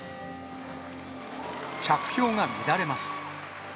着氷が乱れます。